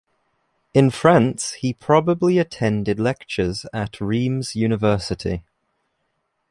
In France he probably attended lectures at Rheims University.